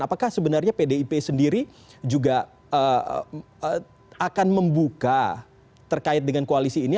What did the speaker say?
apakah sebenarnya pdip sendiri juga akan membuka terkait dengan koalisi ini